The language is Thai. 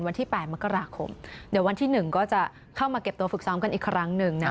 วันที่๘มกราคมเดี๋ยววันที่๑ก็จะเข้ามาเก็บตัวฝึกซ้อมกันอีกครั้งหนึ่งนะคะ